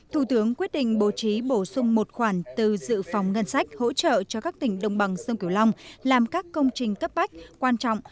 thủ tướng quyết định bổ trí bổ sung một khoản từ dự phòng ngân sách hỗ trợ cho các tỉnh đồng bằng sông cửu long làm các công trình cấp bách quan trọng